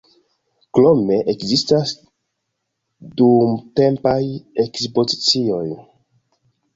Krome ekzistas dumtempaj ekspozicioj.